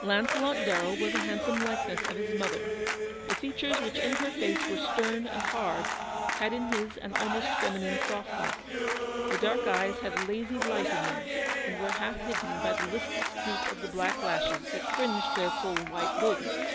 Launcelot Darrell was a handsome likeness of his mother. The features which in her face were stern and hard, had in his an almost feminine softness. The dark eyes had a lazy light in them, LAUNCELOT. 293 and were half hidden by the listless droop of the black lashes that fringed their full white lids.